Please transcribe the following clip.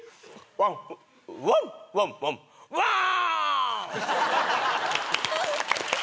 ワンワワワワン！ワォン！